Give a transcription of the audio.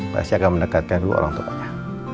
pasti akan mendekatkan dua orang tokonya